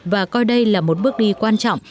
và coi đây là một bước đi quan trọng